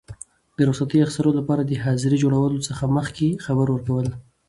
د رخصتي اخیستلو لپاره د حاضرۍ جوړولو څخه مخکي خبر ورکول.